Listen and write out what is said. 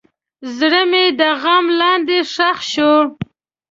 زړه مې د غم لاندې ښخ شو.